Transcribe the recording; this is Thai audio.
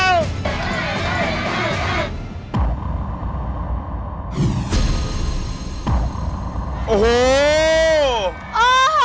แต่ว่าอะไรก็เปล่า